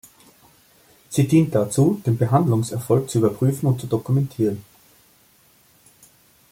Sie dient dazu, den Behandlungserfolg zu überprüfen und zu dokumentieren.